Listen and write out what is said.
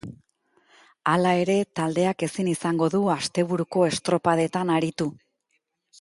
Hala ere, taldeak ezin izango du asteburuko estropadetan aritu.